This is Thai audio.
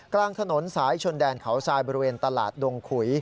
กลางถนนสายชนแดนเขาทรายบริเวณตลาดดงขุย